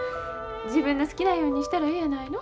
自分の好きなようにしたらええやないの。